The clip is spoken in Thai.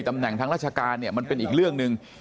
ตำแหน่งทางราชการเนี่ยมันเป็นอีกเรื่องหนึ่ง